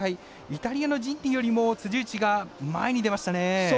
イタリアのジッリよりも辻内が前に出ましたね。